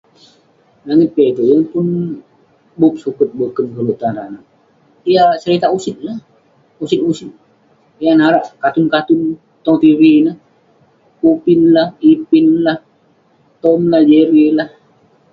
Langit piak itouk, yeng pun bup suket boken koluk tan amik. Yah seritak usit lah, usit usit yah narak katun katun tong tv ineh. Upin lah, Ipin lah, Tom lah, Jerry lah.